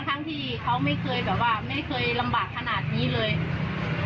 ทั้งที่เขาไม่เคยแบบว่าไม่เคยลำบากขนาดนี้เลย